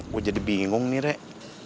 gue jadi bingung nih rek